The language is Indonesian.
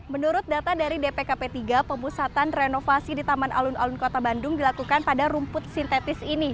menurut data dari dpkp tiga pemusatan renovasi di taman alun alun kota bandung dilakukan pada rumput sintetis ini